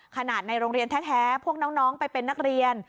ในโรงเรียนแท้พวกน้องไปเป็นนักเรียน